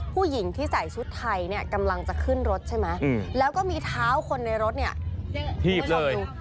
ผู้หญิงที่ใส่ชุดไทยเนี่ยกำลังจะขึ้นรถใช่ไหมแล้วก็มีเท้าคนในรถเนี่ยคุณผู้ชมดู